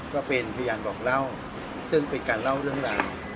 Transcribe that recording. ก็เป็นพยานบอกเล่าซึ่งเป็นการเล่าเรื่องราว